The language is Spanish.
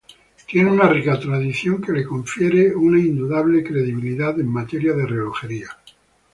Tiene una rica tradición que le confiere una indudable credibilidad en materia de relojería.